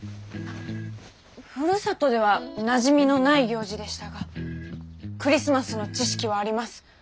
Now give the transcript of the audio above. ふるさとではなじみのない行事でしたがクリスマスの知識はあります。